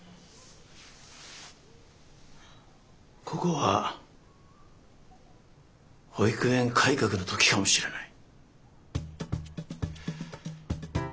ここは保育園改革の時かもしれない。